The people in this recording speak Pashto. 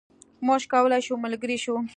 موږ کولای شو ملګري شو.